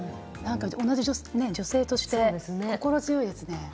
同じ女性として心強いですね。